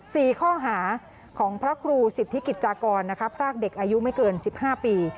สี่ข้อหาของพระครูสิทธิกิจจากรนะคะพรากเด็กอายุไม่เกินสิบห้าปี